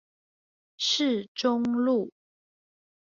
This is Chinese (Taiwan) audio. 市中路